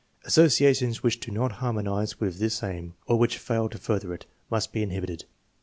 Associations w^hich do not har monize with this aim, or wilich fail to further it, must he inhibited.